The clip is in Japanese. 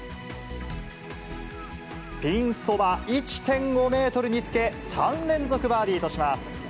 ピンそば１．５メートルにつけ、３連続バーディーとします。